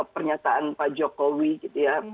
pernyataan pak jokowi gitu ya